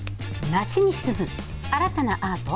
街に住む新たなアート？